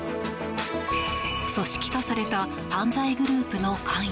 組織化された犯罪グループの関与。